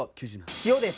塩です！